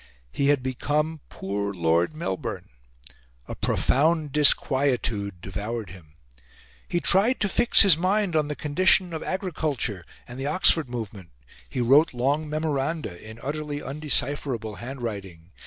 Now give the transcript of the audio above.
He had become "poor Lord Melbourne." A profound disquietude devoured him. He tried to fix his mind on the condition of Agriculture and the Oxford Movement. He wrote long memoranda in utterly undecipherable handwriting.